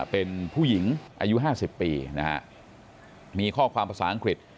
เป็นผู้หญิงอายุ๕๐ปีนะฮะมีข้อความภาษาอังกฤษ